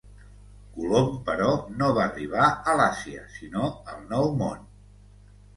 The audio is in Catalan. Colom, però, no va arribar a l'Àsia, sinó al Nou Món.